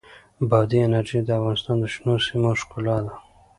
بادي انرژي د افغانستان د شنو سیمو ښکلا ده.